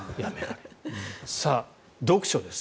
さあ、読書です。